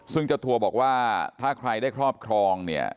ซึ่งเจ้าตัวบอกว่าถ้าใครได้ครอบครองเนี่ย